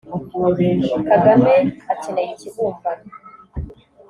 Kagame akeneye ikibumbano